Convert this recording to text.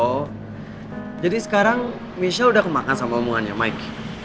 oh jadi sekarang michelle udah kemakan sama omongannya mike